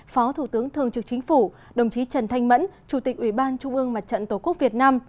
phó thủ tướng thường trực chính phủ đồng chí trần thanh mẫn chủ tịch ủy ban trung ương mặt trận tổ quốc việt nam